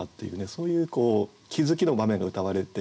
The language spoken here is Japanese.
そういう気付きの場面がうたわれていて。